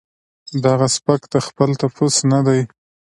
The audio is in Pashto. دغه سپک د خپل تپوس نۀ دي